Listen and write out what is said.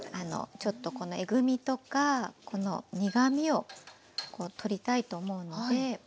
ちょっとこのえぐみとかこの苦みを取りたいと思うので。